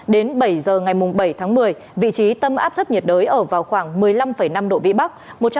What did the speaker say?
đến bảy giờ ngày bảy tháng một mươi vị trí tâm áp thấp nhiệt đới ở vào khoảng một mươi năm năm độ vĩ bắc